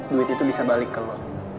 duit itu bisa balik ke loh